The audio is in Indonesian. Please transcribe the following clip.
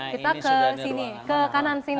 kita kemana ini sudah ada ruangan